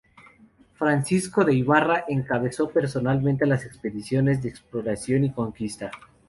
Francisco de Ibarra encabezó personalmente las expediciones de exploración y conquista.